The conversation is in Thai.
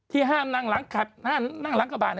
ที่ห้ามนั่งหลังกระบาด